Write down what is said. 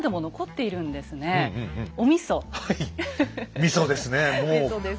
はいみそですね。